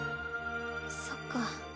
そっか。